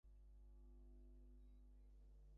ওরা যেমন অসভ্য তেমন জংলী।